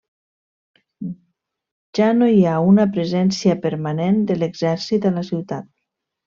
Ja no hi ha una presència permanent de l'Exèrcit a la ciutat.